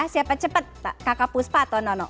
siapa cepat kakak puspa atau nono